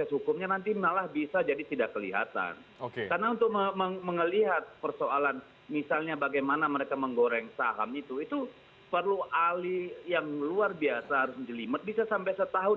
saja takut publik bisa